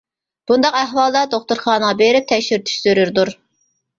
بۇنداق ئەھۋالدا دوختۇرخانىغا بېرىپ تەكشۈرتۈش زۆرۈردۇر.